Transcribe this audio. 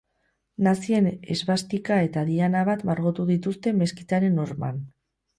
Nazien esbastika eta diana bat margotu dituzte meskitaren horman.